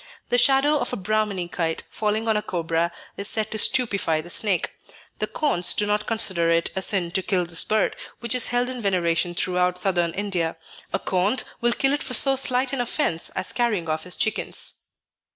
The shadow of a Braahmani kite falling on a cobra is said to stupefy the snake. The Kondhs do not consider it a sin to kill this bird, which is held in veneration throughout Southern India. A Kondh will kill it for so slight an offence as carrying off his chickens.